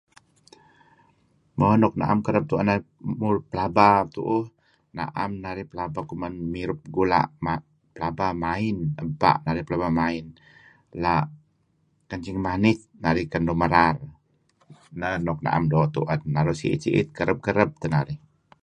Mo nuk na'em kereb narih ngurih pelaba tu'uh na'em narih kereb pelaba mirup gula' , pelaba main ebpa' la' kencing manit narih ken lun merar. Neh nuk na'em doo' tu'en, naru' siit -siit kereb-kereb teh narih.